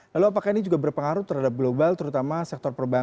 lalu apakah ini juga berpengaruh terhadap global terutama sektor perbankan